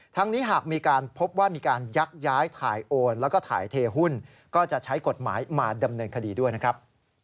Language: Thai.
นี้หากมีการพบว่ามีการยักย้ายถ่ายโอนแล้วก็ถ่ายเทหุ้นก็จะใช้กฎหมายมาดำเนินคดีด้วยนะครับ